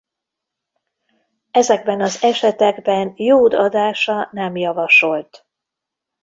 Ezekben az esetekben jód adása nem javasolt.